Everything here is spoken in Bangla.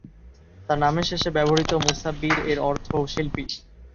তাঁর নামের শেষে ব্যবহূত ‘মুসাববীর’ -এর অর্থ শিল্পী।